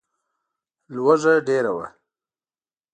لوږه ډېره وه.